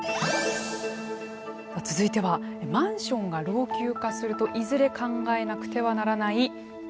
続いてはマンションが老朽化するといずれ考えなくてはならないこちら。